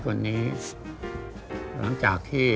โปรดติดตามต่อไป